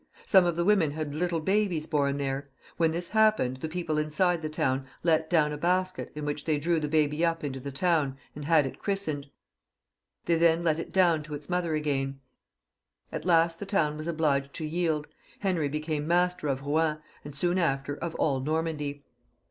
S6me of the women had little babies bom there. "When this happened, the people inside the town let down 198 CHARLES VL *[CH. a basket, in which they drew the baby up into the town, and had it christened ; they then let it down to its mother again« At last the town was obliged to yield ; Henry became master of Eouen, and soon after of all Normandy.